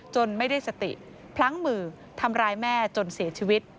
ไม่ได้สติพลั้งมือทำร้ายแม่จนเสียชีวิต